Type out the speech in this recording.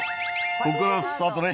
ここからスタートね。